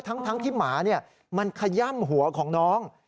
ทั้งที่หมามันขย่ำหัวของน้อง